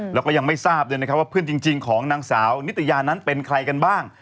แล้วก็ยังไม่ทราบด้วยนะครับว่าเพื่อนจริงของนางสาวนิตยานั้นเป็นใครกันบ้าง